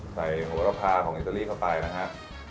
ใส่หัวระพาของอิตาลีเข้าไปนะครับ